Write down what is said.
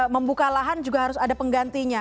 membuka lahan juga harus ada penggantinya